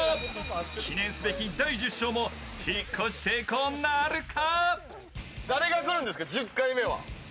記念すべき第１０章も引っ越し成功、なるか。